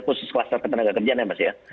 khusus kluster ketenaga kerjaan ya mas ya